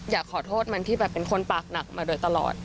อยากขอโทษมันที่แบบเป็นคนปากหนักมาโดยตลอด